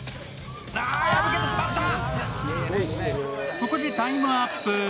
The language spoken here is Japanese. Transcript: ここでタイムアップ。